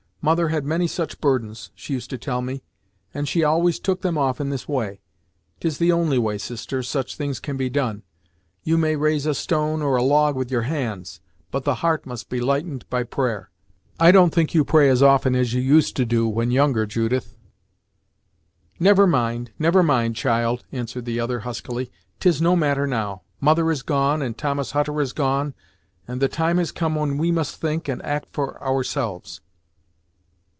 Mother had many such burdens, she used to tell me, and she always took them off in this way. 'Tis the only way, sister, such things can be done. You may raise a stone, or a log, with your hands; but the heart must be lightened by prayer. I don't think you pray as often as you used to do, when younger, Judith!" "Never mind never mind, child," answered the other huskily, "'tis no matter, now. Mother is gone, and Thomas Hutter is gone, and the time has come when we must think and act for ourselves."